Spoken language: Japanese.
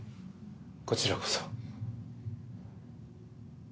こちらこそ。